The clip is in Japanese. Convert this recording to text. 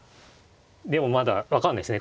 でもまだ分かんないですね。